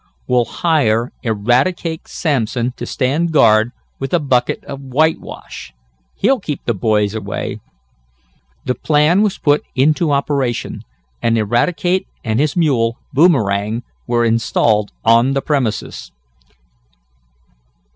"We'll hire Eradicate Sampson to stand guard with a bucket of whitewash. He'll keep the boys away." The plan was put into operation, and Eradicate and his mule, Boomerang, were installed on the premises.